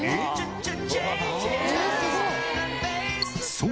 そう！